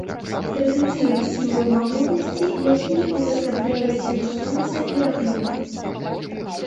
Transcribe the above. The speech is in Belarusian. Традыцыйны сімвал магутнасці, які ўвасабляе сілу сонца і агню.